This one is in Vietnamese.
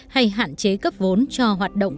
hay hạn chế cấp vốn cho hoạt động